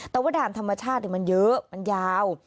แต่ว่าด่านธรรมชาติมันเยอะมันยาว